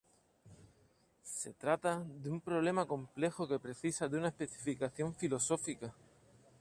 Se trata de un problema complejo que precisa de una especificación filosófica.